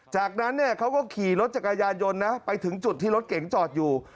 จากนั้นเนี่ยเขาก็ขี่รถจักรยานยนต์นะไปถึงจุดที่รถเก๋งจอดอยู่